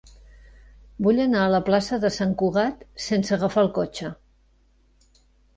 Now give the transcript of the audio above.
Vull anar a la plaça de Sant Cugat sense agafar el cotxe.